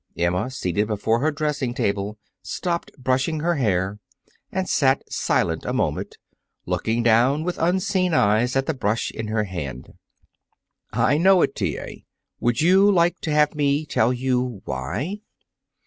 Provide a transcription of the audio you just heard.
Emma, seated before her dressing table, stopped brushing her hair and sat silent a moment, looking down with unseeing eyes at the brush in her hand. "I know it, T. A. Would you like to have me tell you why?"